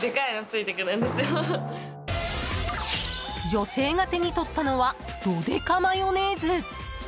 女性が手に取ったのはドデカマヨネーズ。